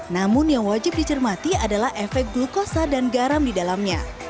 namun yang wajib dicermati adalah efek glukosa dan garam di dalamnya